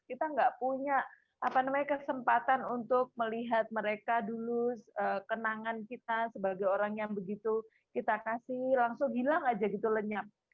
kita nggak punya kesempatan untuk melihat mereka dulu kenangan kita sebagai orang yang begitu kita kasih langsung hilang aja gitu lenyap